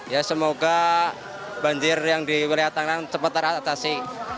ya semoga banjir yang di wilayah tangerang cepat teratasi